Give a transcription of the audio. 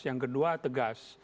yang kedua tegas